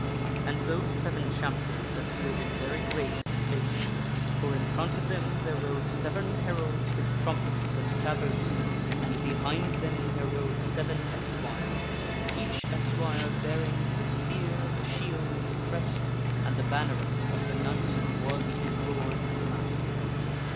And those seven champions appeared in very great estate ; for in front of them there rode seven heralds with trumpets and tabards, and behind them there rode seven esquires, each esquire bearing The Duke of the spear, the shield, the crest, and the banneret of the knight North Umber 1 1 111 All 11111 an< *" tS StX C0m ~ who was his lord and master.